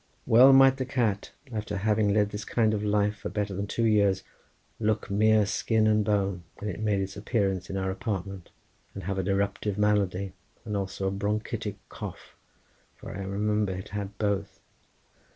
Well might the cat after having led this kind of life for better than two years look mere skin and bone when it made its appearance in our apartment, and have an eruptive malady, and also a bronchitic cough, for I remember it had both.